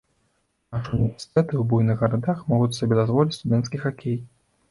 Нашы ўніверсітэты ў буйных гарадах могуць сабе дазволіць студэнцкі хакей.